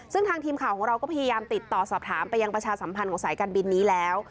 ซึ่งทางทีมข่าวของเราก็พยายามติดต่อสอบถามไปยังประชาสัมพันธ์ของสายการบินนี้แล้ว